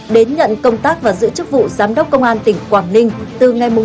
đến nhận công tác và giữ chức vụ giám đốc công an tỉnh quảng ninh từ ngày một chín hai nghìn hai mươi hai